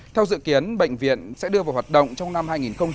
theo dự kiến bệnh viện sẽ đưa vào hoạt động trong năm hai nghìn một mươi bốn